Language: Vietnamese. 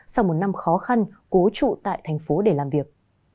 sau một năm khó khăn cố trụ tại thành phố để làm việc